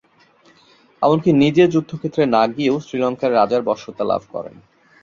এমনকি নিজে যুদ্ধক্ষেত্রে না গিয়েও শ্রীলঙ্কার রাজার বশ্যতা লাভ করেন।